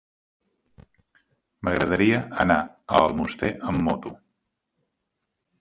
M'agradaria anar a Almoster amb moto.